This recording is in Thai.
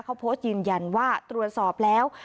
เขาโพสต์ยืนยันว่าตรวจสอบแล้ว